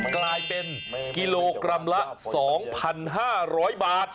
กลายเป็นกิโลกรัมละ๒๕๐๐บาท